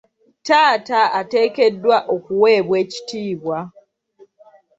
Taata ateekeddwa okuweebwa ekitiibwa.